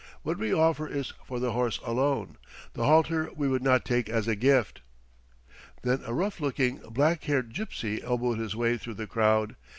"What we offer is for the horse alone. The halter we would not take as a gift." Then a rough looking, black haired gypsy elbowed his way through the crowd.